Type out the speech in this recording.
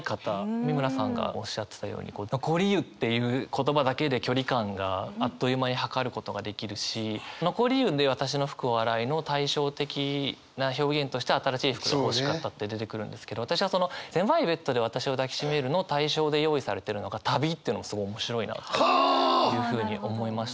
美村さんがおっしゃってたように「残り湯」っていう言葉だけで距離感があっという間に測ることができるし「残り湯で私の服を洗い」の対照的な表現として「新しい服が欲しかった」って出てくるんですけど私はその「狭いベッドで私を抱きしめる」の対照で用意されてるのが「旅」っていうのすごい面白いなというふうに思いました。